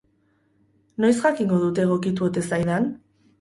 Noiz jakingo dut egokitu ote zaidan?